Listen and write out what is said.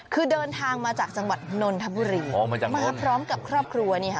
คือเดินทางมาจากจังหวัดนนทบุรีมาพร้อมกับครอบครัวนี่ค่ะ